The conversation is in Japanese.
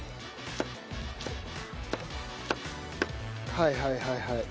はいはいはいはい。